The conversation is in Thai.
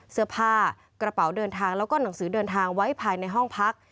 เสื้อผ้ากระเป๋าเดินทางแล้วก็หนังสือเดินทางไว้ภายในห้องพัก